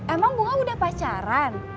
emang bunga udah pacaran